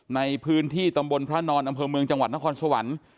ในพื้นที่ตำบลพระนอนอำเภอเมืองจังหวัดนครสวรรค์